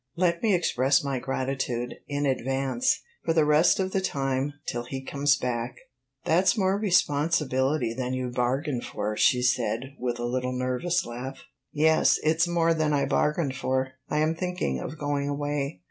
Let me express my gratitude, in advance, for the rest of the time, till he comes back. That 's more responsibility than you bargained for," she said, with a little nervous laugh. "Yes, it 's more than I bargained for. I am thinking of going away."